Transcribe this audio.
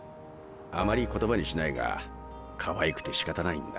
あまり言葉にしないがかわいくてしかたないんだ。